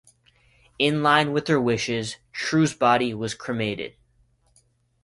In line with her wishes, True's body was cremated.